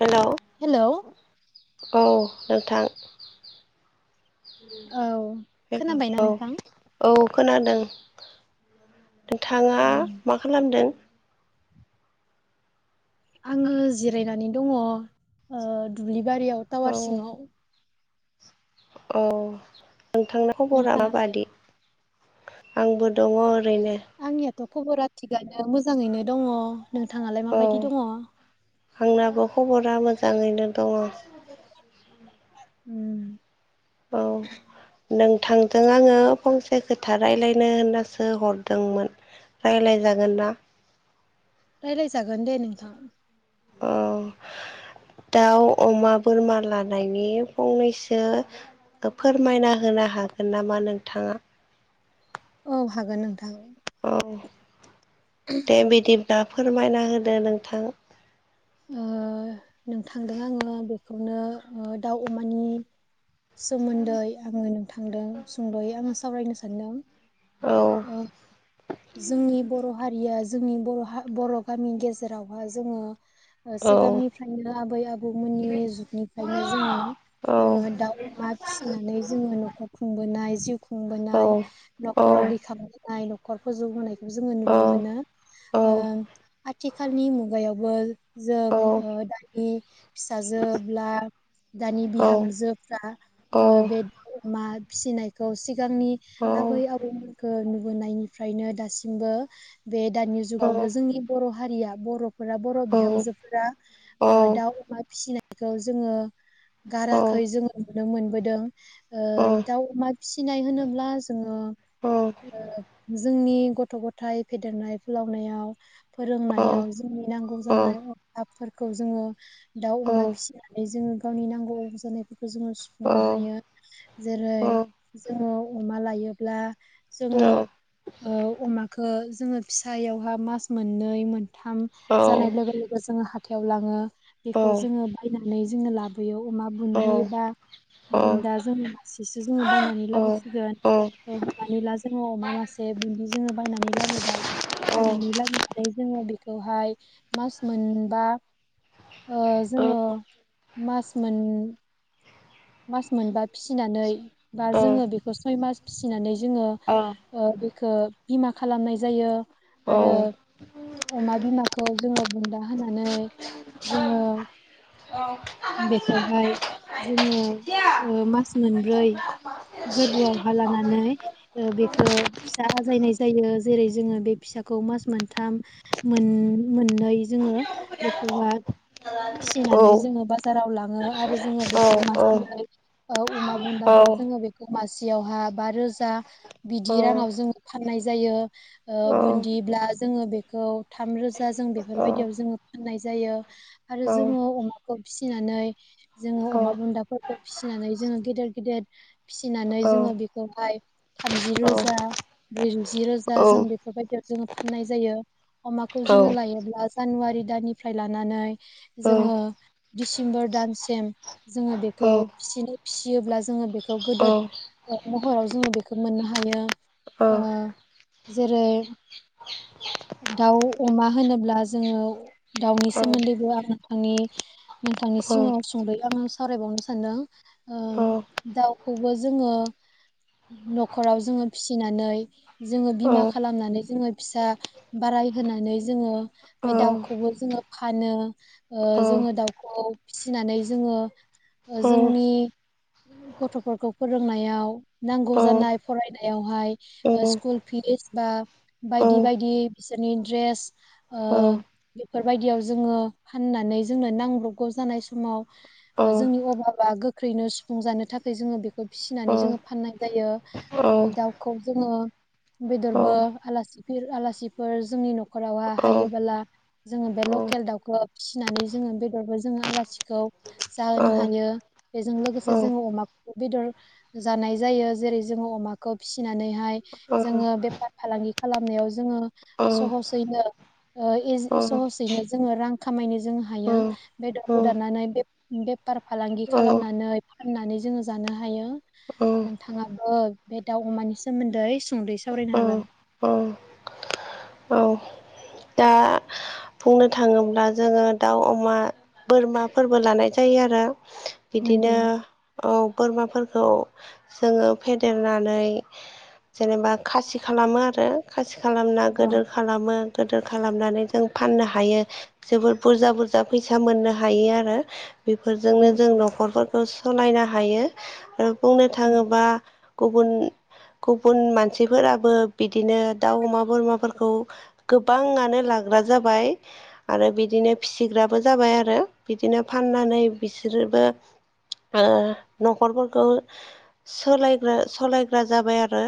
Hello hello औ नोंथां औ खोनाबायना औ नोंथां? औ खोनादों नोंथाङा मा खालामदों? आङो जिरायनानै दङ' ओ दुब्लि बारियाव औ टावार सिङाव औ नोंथांना खबरा नोंथाङालाय? माबादि? आंबो दङ' ओरैनो थ' खबरा थिगानो मोजाङैनो दङ' नोंथाङालाय औ माबायदि दङ? आंनाबो खबरा मोजाङैनो दङ' उम [inaudible] औ नोंथांजों आङो फंसे खोथा रायलायनो होननासो हरदोंमोन रायलायजागोन ना? रायलाय जागोन दे नोंथां अ दाउ अमा बोरमा लानायनि फंनैसो फोरमायना होनो हागोन नामा नोंथाङा? औ हागोन नोंथां अ दे बिदि दा फोरमायना होदो नोंथां ओ नोंथांदों आङो बेखौनो ओ दाउ अमानि सोमोन्दै आङो नोंथांदों सुंद'यै आङो सावरायनो सानदों। औ ओ जोंनि बर' हारिया जोंनि बर' हा बर' गामिनि गेजेरावहाय जोङो ओ औ सिगांनिफ्रायनो आबै आबौमोननि जुगनिफ्रायनो जोङो औ ओ दाउ अमा फिसिनानै जोङो न'खर खुंबोनाय जिउ औ खुंबोनाय औ न'खर दैखांबोनाय न खर फोजौबोनाय जोङो नुनो मोनो औ ओ आं थिखालनि मुगायावबो जों औ ओ दानि फिसाजोब्ला दानि औ बिहामजोफ्रा औ ओ बे दउ अमा फिसिनायखौ सि सिगांनि औ औ आबै आबौमोनखौ न होनाय ओमफ्रायनो दासिमबो बे दानि जुगावबो जोंनि बर' हारिया बर'फोरा बर' बिहामजोफोरा दाउ अमा फिसिनाय बेखौ जोङो गाराखै जोङो नुनो मोनबोदों दाउ अमा फिसिनाय होनोब्ला जोङो जोंनि गथ' गथायाइ फेदेरनाय फोलावनायाव फोरोंनायाव नि नांगौ जानाय हपफोरखौ जोङो दाउ अमा फिसिनानै जोङो गावनि नांगौ जानायफोरखौ जोङो सुफुंनो हायो जेरै जोङो अमा लायोब्ला जोङो ओ अमाखौ जोङो फिसायावहा मास मोननै मोनथाम जानाय लोगो लोगो जोङो हाथायाव लाङो बेखौ जोङो बायनानै जोङो लाबोयो अमा बुन्दि बा बुन्दा जोङो मासेसो जोङो बायनानै लाबोसिगोन हमनानै ला जोङो अमा मासे बुन्दि जोङो बायनानै लाबोबाय बायनानै लाबोनानै जोङो बेखौहाय मास मोनबा ओ जोङो मास मोन मास मोनबा फिसिनानै बा जोङो बेखौ सय मास फिसिनानै जोङो बेखौ बिमा खालामनाय जायो आरो अमा बिमाखौ जोङो बुनदा होनानै जोङो बेखौहाय जोङो ओ मास मोनब्रै गोरबोआवहा लानानै बेखौ फिसा आजायनाय जायो जेरै जोङो बे फिसाखौ मास मोनथाम मोननै जोङो बेखौहाय फिसिनानै जोङो बाजाराव लाङो आरो जोङो बेखौ मास अमा बुन्दाब्ला जोङो बेखौ मासेयावहा बा रोजा बिदि राङाव जोङो फाननाय जायो औ बुन्दिब्ला जोङो बेखौ थाम रोजा जों औ बेफोरबायदियाव जोङो फाननाय जायो आरो जोङो अमाखौ फिसिनानै जोङो अमा बुन्दाफोर फिसिनानै जोङो गेदेर गेदेर फिसिनानै जोङो बेखौहाय थामजि रोजा ब्रैजि रोजा जों बेफोरबायदियाव जोङो फाननाय जायो अमाखौ जोङो लायोब्ला जानुवारि दाननिफ्राय लानानै जोङो दिडसेम्बर दानसिम जोङो बे फिसिनो फिसियोब्ला जोङो बेखौ गोदद महराव जोङो बेखौ मोननो हायो जेरै दाउ अमा होनोब्ला जोङो दाउनि सोमोन्दैबो आं नोंथांनि नोंथांनि सिगाङाव सुंद'ै आङो सावरायबावनो सान सानो दाउखौबो जोङो न'खराव जोङो फिसिनानै जोङो बिमा खालामनानै जोङो फिसा बाराय होनानै जोङो बे दाउखौबो जोङो फानो जोङो दाउखौ फिसिनानै जोङो जोंनि गथ'फोरखौ फोरोंनायाव नांगौ जानाय फरायनायावहाय स्कुल फिस बा बायदि औ बायदि बिसोरनि ड्रेस बेफोरबायदियाव जोङो फाननानै जोंनो नांब्रबगौ जानाय समाव जोंनि माबा गोख्रैनो सुफुं जानो थाखाय जोङो बेखौ फिसिनानै जोङो फाननाय जायो दाउखौ जोङो बेदरबो आलासि आलासिफोर जोंनि न'खरावहा हायोबोला जोङो बे लकेल दाउखौ फिसिनानै जोङो बेदरबो जोङो आलासिखौ जाहो हायो बेजों लोगोसे जोङो अमाखौबो बेदर जानाय जायो जेरै जोङो अमाखौ फिसिनानैहाय जोङो बेफार फालांगि खालामनायाव जोङो सहसैनो सहसैनो जोङो रां खामायनो जों हायो बेदरखौदाननानै बे फार फालांगि खालामनानै फाननानै जोङो जानो हायो नोंथाङाबो बे दाउ अमानि सोमोन्दै सुंदै सावरायनो हागोन दा बुंनो थाङोब्ला जोङो दाउ अमा बोरमाफोरबो लानाय जायो आरो बिदिनो नंगौ औ बोरमा खौ जोङो फेदेरनानै जेनेबा खासि खालामो आरो खासि खालामना औ गिदोर खालामो गिदिर खालामनानै फाननो हायो जोबोर बुरजा बुरजा फैसा मोननो हायो आरो बेफोरजोंनो जों न'खरफोरखौ सोलायना हायो हायो ओ बुंनो थाङोबा गुबुन गुबुन मानसिफोराबो बिदिनो दाउ अमा बोरमाफोरखौ गोबाङानो लाग फ्रा जाबाय आरो बिदिनो फिसिग्राबो जाबाय आरो बिदिनो फाननानै बिसोरबो न'खरफोरखौ सायग्रा सालायग्रा जाबाय आरो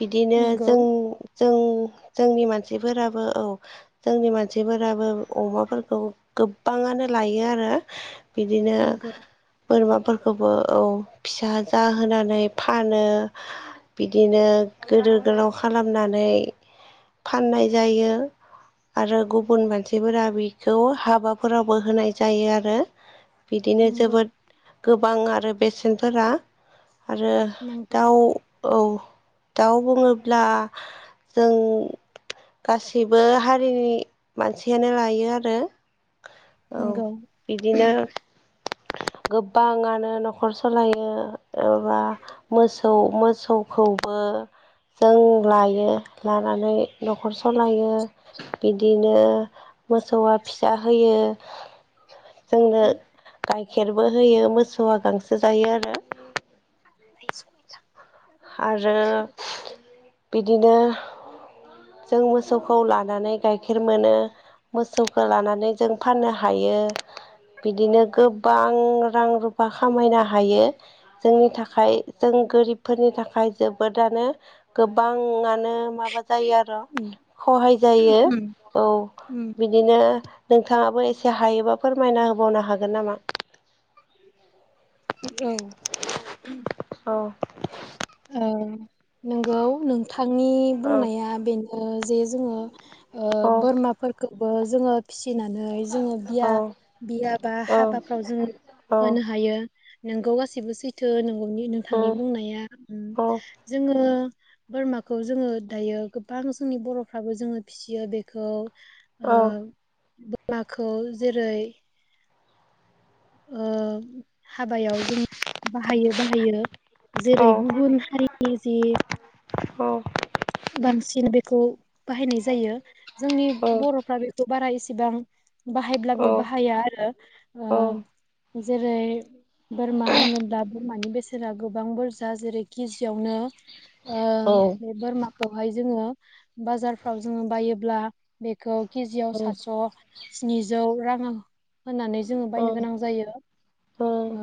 बिदिनो नंगौ जों औ जों जोंनि मानसिफोराबो औ जोंनि मानसिफोराबो अमाफोरखौ गोबाङानो लायो आरो। बिदिनो नंगौ नंगौ बोरमाफोरखौबो औ फिसा जाहोनानै फानो बिदिनो गोदोर गोलाव खालामनानै फाननाय जायो। आरो गुबुन मानसिफोरा बेखौ हाबाफोरावबो होनाय जायो आरो बिदिनो नंगौ जोबोद गो गोबां आरो बेसेनफोरा आरो नंगौ दाउ औ दाउ बुङोब्ला जों गासिबो हारि हारिनि मानसियानो लायो आरो औ नंगौ बिदिनो गोबाङानो न'खर सालायो। माबा मोसौ मोसौ मोसौखौबो जों लायो लानानै न'खर सालायो बिदिनो मोसौआ फिसा होयो जोंनो गाय गाइखेरबो होयो मोसौआ गांसो जायो आरो [inaudible] आरो [inaudible] बिदिनो जों मोसौखौ लानानै गाइखेर मोनो मोसौखौ लानानै जों फाननो हायो बिदिनो गोबां रां रुफा खामायनो हायो। जोंनि थाखाय जों गोरिब थाखाय जोबोदानो गोबाङानो माबा जायो आरो' उम सहाय जायो उम औ उम बिदिनो नोंथाङाबो एसे हायोबा फोरमायना होबावनो हागोन नामा? औ औ नोंगौ नोंथां नि औ बुंनाया बेनो जे जोङो औ बोरमाफोरखौबो जोङो फिसि फिसिनानै जोङो औ बिया बिया बा औ हाबाफ्राव जों औ होनो हायो। नोंगौ गासैबो सैथो नोंगौ नि औ नोंथांनि बुंनाया औ जोङो बोरमाखौ जोङो दायो गोबां जोंनि बर'फ्राबो जोङो फिसियो बेखौ आ नाखौ जेरै ओ हाबायाव जों बाहायो बाहायो जेरै गुबुन हारिनि जि बांसिन बेखौ बाहायनाय जायो जोंनि बर'फ्रा बेखौ बारा एस दां औ बाहायब्लाबो बाहाया आरो औ ओ जेरै बोरमा होनोब्ला बोरमानि बेसेना गोबां बुरजा जेरै केजियावनो ओ औ बेे बोरमा जोङो बाजारफोराव जोङो बायोब्ला बेक खौ केजियाव सातस' स्निजौ राङो होननानै जोङो औ बायनो गोनां जायो ओ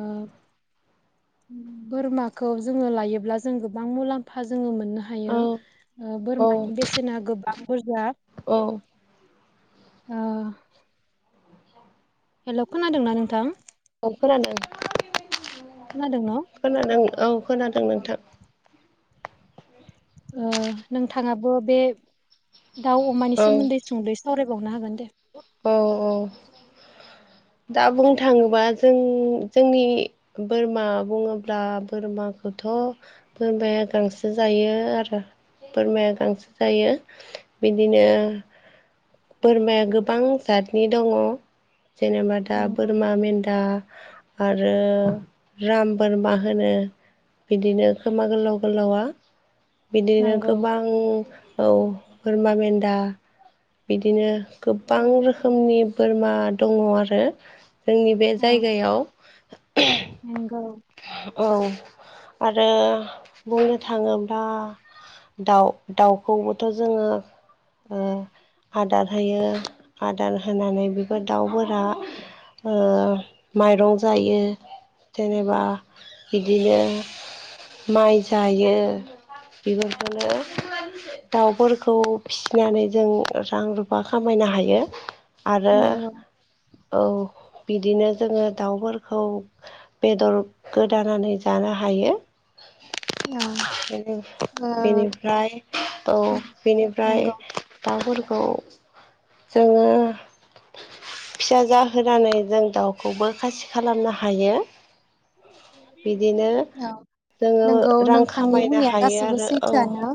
बोरमाखौ जोङो लायोब्ला जों गोबां मुलाम्फा जोङो मो ननो हायो औ ओ औ बोरमानि बेसेना गोबां बुरजा औ ओ हेलौ खोनादोंना नोंथां न'फोरानो खोनादों न' औ खोनादों नोंथां ओ नोंथाङाबो बे दाउ अमानि औ सोमोन्दै सुंदैयै सावराय बावनो हागोन दे औ औ दा बुंनो थाङोबा जों जोंनि बोरमा बुङोब्ला बोरमाखौथ' बोरमाया गांसो जायो आरो बोरमाया गांसो जायो बिदिनो बोरमाया गोबां जातनि दङ' जेनेबा दा नंगौ बोरमा मेन्दा आरो राम बोरमा होनो बिदिनो खोमा गोलाव गोलावा बिदिनो नंगौ गोबां औ बोरमा मेन्दा बिदिनो गोबां रोखोमनि बोरमा दङ' आरो जोंनि बे औ जायगायाव नंगौ औ आरो बुंनो थाङोब्ला दाउ दाउखौबोथ' जोङो ओ आदार होयो आदार होनानै बेफोर दाउफोरा ओ माइरं जायो। जेनेबा बिदिनो माइ जायो बेफोरखौनो दाउफोरखौ फिसिनानै जों रां रुफा खामायनो हायो। आरो नंगौ औ बिदिनो जोङो दाउफोरखौ बेदर गोदानानै जानो हायो। औ ओ बेनि-बेनिफ्राय औ बेनिफ्राय नंगौ दाउफोर [unintelligible] जोङो फिसा जाहोनानै जों दाउखौबो खासि खालामनो हायो बिदिनो औ जोङो नंगौ रां नोंथांनि खामायनो बुंनाया हायो गासैबो आरो औ सैथोआनो।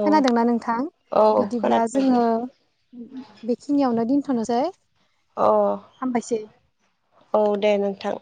औ खोनादोंना नोंथां? औ बिदिब्ला खोनादों जोङो बेखिनियावनो दि थ'नोसै। अ औ दे नोंथां।